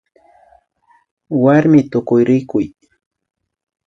Warmi Tukuyrikuy